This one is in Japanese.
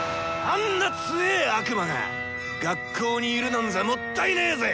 あんな強え悪魔が学校にいるなんざもったいねぇぜ！